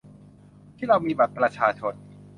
ที่เรามีบัตรประชาชน